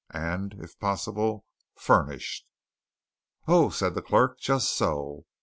And if possible furnished." "Oh!" said the clerk. "Just so.